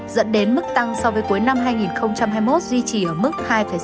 dẫn đến mức tăng so với cuối năm hai nghìn hai mươi một duy trì ở mức hai sáu